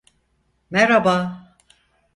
Meraba…